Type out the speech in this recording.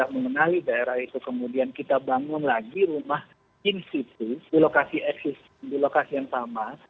mengenali daerah itu kemudian kita bangun lagi rumah institu di lokasi eksis di lokasi yang sama